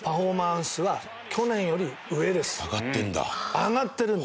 上がってるんだ。